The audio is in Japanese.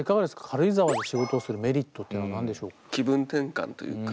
軽井沢で仕事をするメリットっていうのは何でしょう？